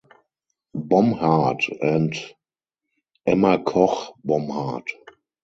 Bomhard and Emma Koch Bomhard.